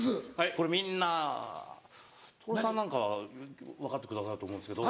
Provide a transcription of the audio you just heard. これみんな徹さんなんか分かってくださると思うんですけど。